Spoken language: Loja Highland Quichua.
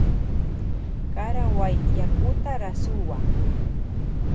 Karawuay yakuta rasuwa.